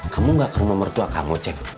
kamu gak ke rumah orang tua kamu ceng